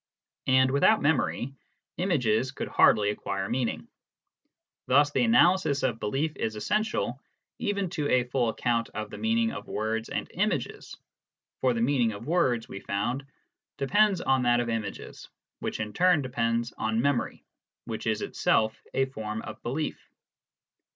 And, without memory, images could hardly acquire meaning. Thus the analysis of belief is essential even to a full account of the meaning of words and images for the meaning of words, we found, depends on that of images, which in turn depends on memory, which is itself a form of belief.